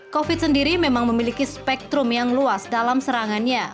covid sendiri memang memiliki spektrum yang luas dalam serangannya